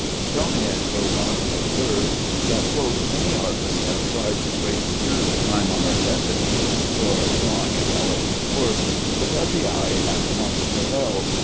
Stonehenge goes on to observe that "many artists have tried to break through the time honored recipe for drawing a galloping horse, but that the eye at once rebels.